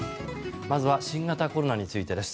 まずは新型コロナについてです。